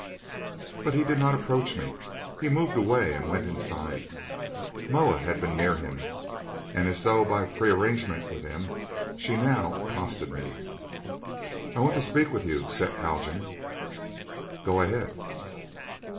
But he did not approach me. He moved away and went inside. Moa had been near him; and as though by prearrangement with him she now accosted me. "I want to speak to you, Set Haljan." "Go ahead."